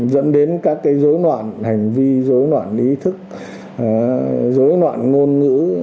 dẫn đến các cái dối noạn hành vi dối noạn ý thức dối noạn ngôn ngữ